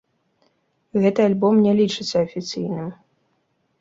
Гэты альбом не лічыцца афіцыйным.